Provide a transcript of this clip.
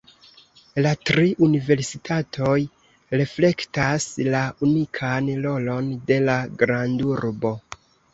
La tri universitatoj reflektas la unikan rolon de la grandurbo.